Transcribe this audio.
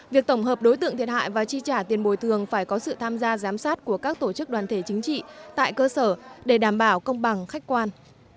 việc tổng hợp đối tượng thiệt hại và chi trả tiền bồi thường phải có sự tham gia giám sát của các tổ chức đoàn thể chính trị tại cơ sở để đảm bảo công bằng khách quan